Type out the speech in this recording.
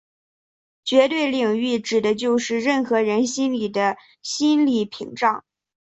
绝对领域指的就是任何人心里的心理屏障。